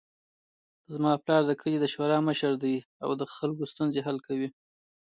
زما پلار د کلي د شورا مشر ده او د خلکو ستونزې حل کوي